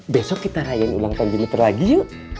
besok kita rayain ulang tahun lagi yuk